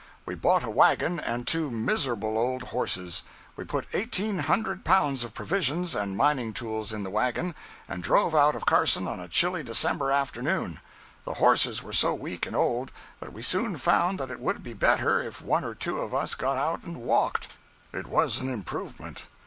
We bought a wagon and two miserable old horses. We put eighteen hundred pounds of provisions and mining tools in the wagon and drove out of Carson on a chilly December afternoon. The horses were so weak and old that we soon found that it would be better if one or two of us got out and walked. It was an improvement.